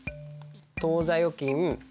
当座預金